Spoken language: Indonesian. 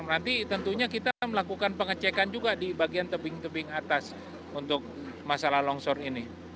nanti tentunya kita melakukan pengecekan juga di bagian tebing tebing atas untuk masalah longsor ini